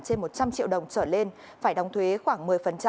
trên một trăm linh triệu đồng trở lên phải đóng thuế khoảng một mươi